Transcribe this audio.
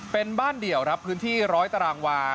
เป็นบ้านเดี่ยวครับพื้นที่ร้อยตารางวา